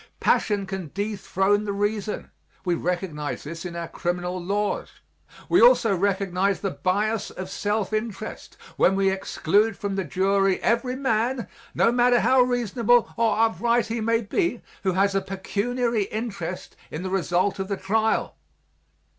Passion can dethrone the reason we recognize this in our criminal laws. We also recognize the bias of self interest when we exclude from the jury every man, no matter how reasonable or upright he may be, who has a pecuniary interest in the result of the trial.